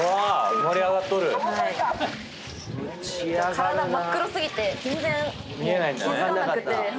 体真っ黒過ぎて全然気付かなくて。